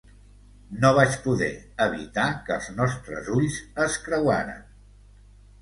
No vaig poder evitar que els nostres ulls es creuaren.